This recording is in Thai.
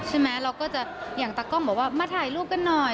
เราก็จะอย่างตากล้องบอกว่ามาถ่ายรูปกันหน่อย